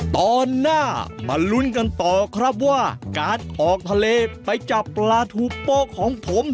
ตอนหน้ามาลุ้นกันต่อครับว่าการออกทะเลไปจับปลาทูโป๊ะของผม